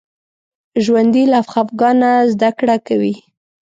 ژوندي له خفګانه زده کړه کوي